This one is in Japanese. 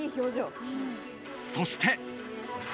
そして。